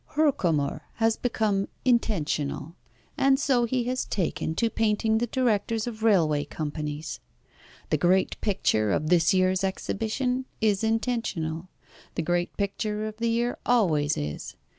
"Herkomer has become intentional, and so he has taken to painting the directors of railway companies. The great picture of this year's exhibition is intentional. The great picture of the year always is.